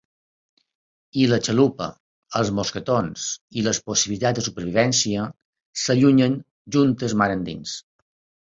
I la xalupa, els mosquetons i les possibilitats de supervivència s'allunyen juntes mar endins.